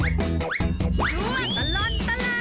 ช่วงตลอดตลาด